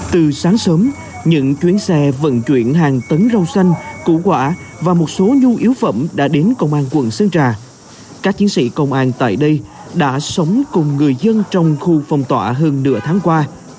từ sáng sớm những chuyến xe vận chuyển hàng tấn rau xanh củ quả và một số nhu yếu phẩm đã đến công an quận sơn trà các chiến sĩ công an tại đây đã sống cùng người dân trong khu phong tỏa hơn nửa tháng qua